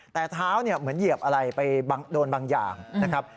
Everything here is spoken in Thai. แต่เท้าเหมือนเหยียบอะไรไปโดนบางอย่างนะครับ